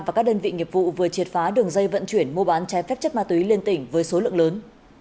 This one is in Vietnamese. và các đơn vị nghiệp vụ vừa triệt phá đường dây vận chuyển mua bán trái phép chất ma túy liên tỉnh với số lượng lớn